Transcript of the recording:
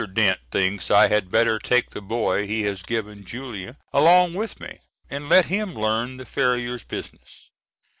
Dent thinks I had better take the boy he has given Julia along with me, and let him learn the farrier's business.